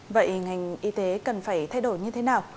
vậy ngành y tế cần phải thay đổi như thế nào